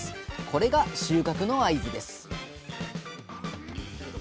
これが収穫の合図です